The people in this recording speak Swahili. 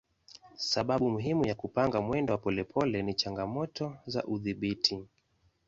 Sababu muhimu ya kupanga mwendo wa polepole ni changamoto za udhibiti.